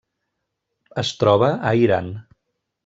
Es troba a Iran.